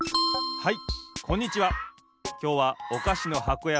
はい。